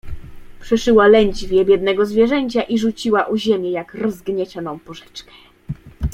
"Przeszyła lędźwie biednego zwierzęcia i rzuciła o ziemię jak rozgniecioną porzeczkę."